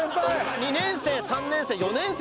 ２年生３年生４年生でしょ。